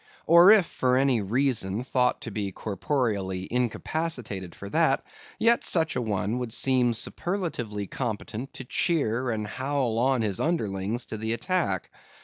Or, if for any reason thought to be corporeally incapacitated for that, yet such an one would seem superlatively competent to cheer and howl on his underlings to the attack.